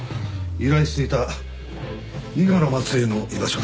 依頼していた伊賀の末裔の居場所だ。